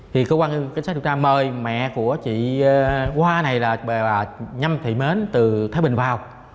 thì cơ quan cảnh sát điều tra mời mẹ của chị hoa này là bà nhâm thị mến từ thái bình vào